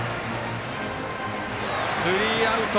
スリーアウト。